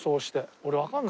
俺わかんない。